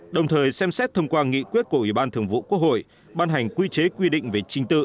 đồng thời xem xét thông qua nghị quyết của ủy ban thường vụ quốc hội ban hành quy chế quy định về trình tự